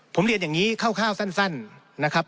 ผมเรียนอย่างนี้คร่าวสั้นนะครับ